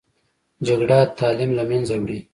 جګړه تعلیم له منځه وړي